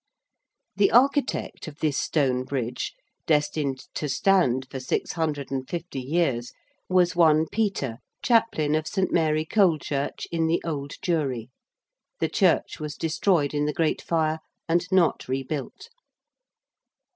The Architect of this stone Bridge, destined to stand for six hundred and fifty years, was one Peter, Chaplain of St. Mary Colechurch in the Old Jewry (the church was destroyed in the Great Fire and not rebuilt).